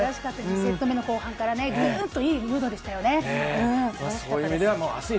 ２セット目の後半からグッといいムードでしたよね。